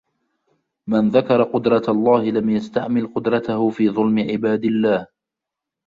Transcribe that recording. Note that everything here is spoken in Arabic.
مَنْ ذَكَرَ قُدْرَةَ اللَّهِ لَمْ يَسْتَعْمِلْ قُدْرَتَهُ فِي ظُلْمِ عِبَادِ اللَّهِ